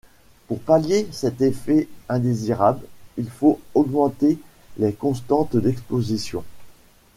Pour pallier cet effet indésirable, il faut augmenter les constantes d'exposition.